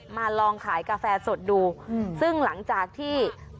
มาลองขายกาแฟสดดูซึ่งหลังจากที่